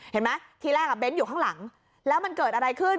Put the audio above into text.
เห็นไหมทีแรกเน้นอยู่ข้างหลังแล้วมันเกิดอะไรขึ้น